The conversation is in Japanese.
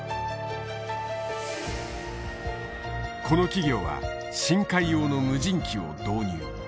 この企業は深海用の無人機を導入。